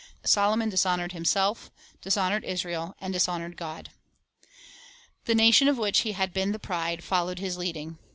Solomon dishonored himself, dishonored Israel, and dishonored God. The nation, of which he had been the pride, followed his leading.